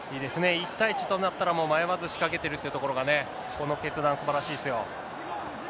１対１となったら、もう迷わず仕掛けてるってところがね、この決断、すばらしいですよ。